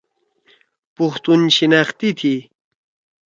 پختون شنأختی تھی۔